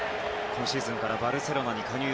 今シーズンからバルセロナに加入。